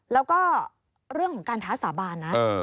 แล้วก็เรื่องของการท้าสาบานนะ